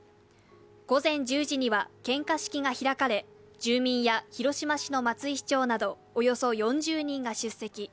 午前１０時には献花式が開かれ、住民や広島市の松井市長などおよそ４０人が出席。